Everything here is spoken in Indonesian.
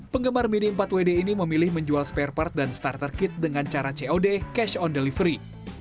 penggemar mini empat wd ini memilih menjual spare part dan starter kit dengan cara cod cash on delivery